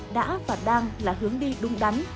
đã và đang là hướng đi đúng đắn